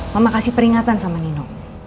mama kasih peringatan sama nino